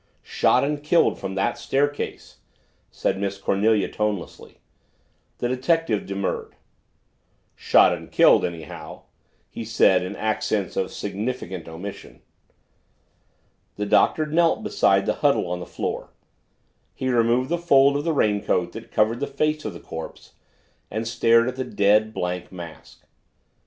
"Shot and killed from that staircase," said Miss Cornelia tonelessly. The detective demurred. "Shot and killed, anyhow," he said in accents of significant omission. The Doctor knelt beside the huddle on the floor. He removed the fold of the raincoat that covered the face of the corpse and stared at the dead, blank mask.